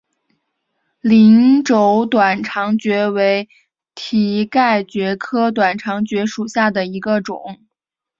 鳞轴短肠蕨为蹄盖蕨科短肠蕨属下的一个种。